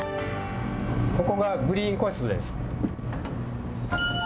ここがグリーン個室です。